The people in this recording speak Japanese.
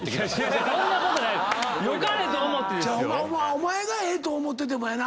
お前がええと思っててもやな